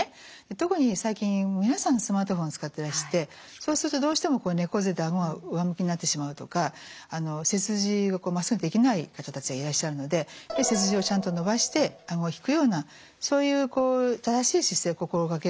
特に最近皆さんスマートフォン使ってらしてそうするとどうしても猫背であごが上向きになってしまうとか背筋がまっすぐできない方たちがいらっしゃるので背筋をちゃんと伸ばしてあごを引くようなそういう正しい姿勢を心掛けるってことですね。